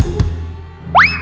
terima kasih pak